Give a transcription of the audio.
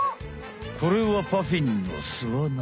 これはパフィンのすあな。